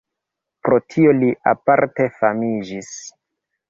Pro tio li aparte famiĝis.